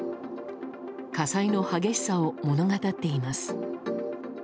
火災の激しさを物語っています。